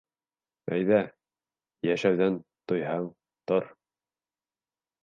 Әйҙә, йәшәүҙән туйһаң, тор!